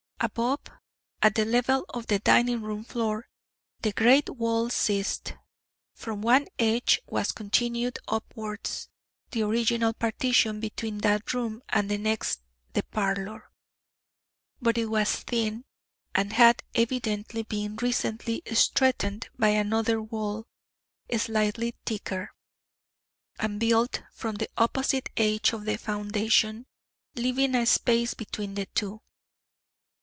Above, at the level of the dining room floor, the great wall ceased. From one edge was continued upwards the original partition between that room and the next the parlor; but it was thin, and had evidently been recently strengthened by another wall, slightly thicker, and built from the opposite edge of the foundation, leaving a space between the two.